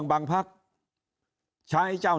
ยิ่งอาจจะมีคนเกณฑ์ไปลงเลือกตั้งล่วงหน้ากันเยอะไปหมดแบบนี้